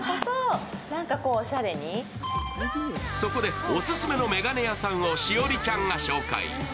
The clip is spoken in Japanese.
そこでオススメの眼鏡屋さんを栞里ちゃんが紹介。